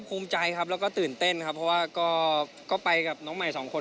ภูมิใจครับแล้วก็ตื่นเต้นครับเพราะว่าก็ไปกับน้องใหม่สองคน